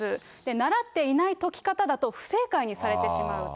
習っていない解き方だと不正解にされてしまうと。